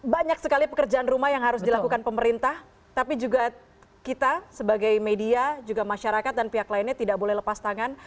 banyak sekali pekerjaan rumah yang harus dilakukan pemerintah tapi juga kita sebagai media juga masyarakat dan pihak lainnya tidak boleh lepas tangan